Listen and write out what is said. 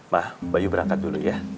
mah bayu berangkat dulu ya